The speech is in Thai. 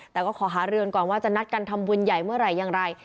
แต่ก็ขอหาเรือนก่อนว่าจะนัดกันทำบุญใหญ่เมื่อไหร่อย่างไร